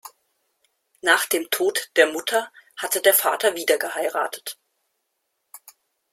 Nach dem Tod der Mutter hatte der Vater wieder geheiratet.